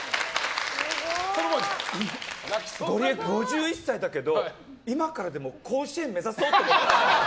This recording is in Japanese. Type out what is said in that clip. ゴリエ、５１歳だけど今からでも甲子園目指そうと思った。